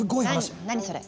何何それ？